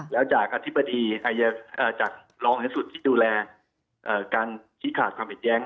แล้วจากอธิบดีจากรองอธิบดีที่ดูแลการที่ขาดความเห็นแย้ง